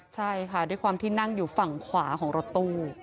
ใช่ค่ะด้วยความที่นั่งอยู่ฝั่งขวาของรถตู้